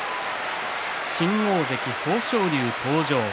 新大関豊昇龍登場。